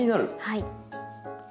はい。